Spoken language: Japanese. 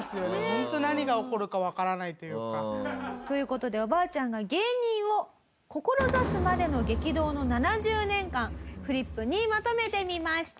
ホント何が起こるかわからないというか。という事でおばあちゃんが芸人を志すまでの激動の７０年間フリップにまとめてみました。